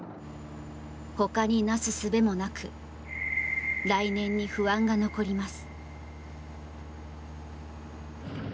ほかになすすべもなく来年に不安が残ります。